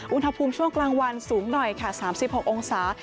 อุณหภูมิช่วงกลางวันสูงหน่อยค่ะ๓๖องศา